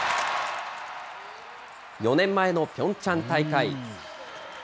４年前のピョンチャン大会。